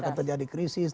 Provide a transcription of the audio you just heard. akan terjadi krisis